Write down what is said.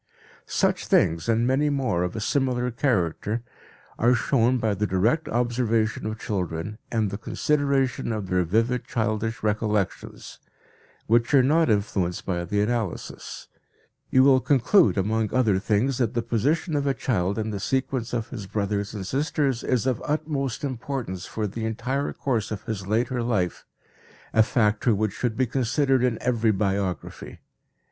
Such things, and many more of a similar character, are shown by the direct observation of children and the consideration of their vivid childish recollections, which are not influenced by the analysis. You will conclude, among other things, that the position of a child in the sequence of his brothers and sisters is of utmost importance for the entire course of his later life, a factor which should be considered in every biography.